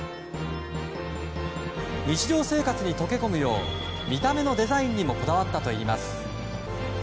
日常生活に溶け込むよう見た目のデザインにもこだわったといいます。